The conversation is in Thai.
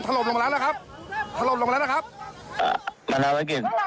ตอนนี้อาคารถล่มลงมาแล้วนะครับถล่มลงมาแล้วนะครับอ่า